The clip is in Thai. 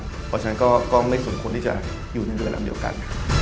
เพราะฉะนั้นก็ไม่สมควรที่จะอยู่ในเรือลำเดียวกัน